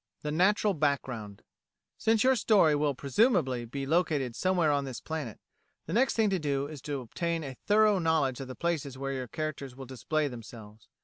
The Natural Background Since your story will presumably be located somewhere on this planet, the next thing to do is to obtain a thorough knowledge of the places where your characters will display themselves.